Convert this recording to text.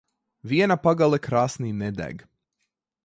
Viena pagale krāsnī nedeg.